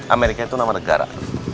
amerika itu nama negara